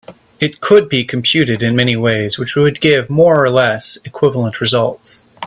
It could be computed in many ways which would give more or less equivalent results.